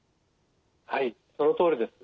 はいそのとおりです。